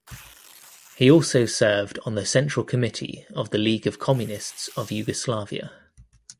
He also served on the Central Committee of the League of Communists of Yugoslavia.